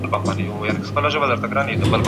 څېړونکی څنګه د اثر شننه او تفسیر کوي؟